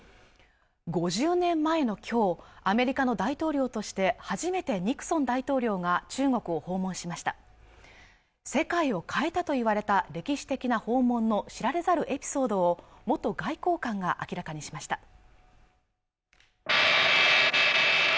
５０年前の今日アメリカの大統領として初めてニクソン大統領が中国を訪問しました世界を変えたといわれた歴史的な訪問の知られざるエピソードを元外交官が明らかにしました